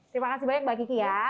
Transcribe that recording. terima kasih banyak mbak kiki ya